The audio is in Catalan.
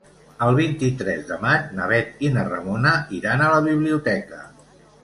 El vint-i-tres de maig na Bet i na Ramona iran a la biblioteca.